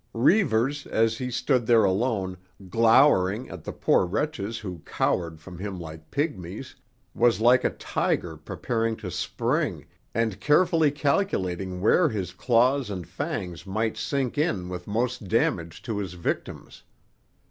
Reivers, as he stood there alone, glowering at the poor wretches who cowered from him like pygmies, was like a tiger preparing to spring and carefully calculating where his claws and fangs might sink in with most damage to his victims.